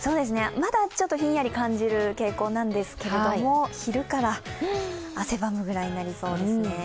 まだちょっとひんやり感じる傾向なんですけれども、昼から汗ばむくらいになりそうですね。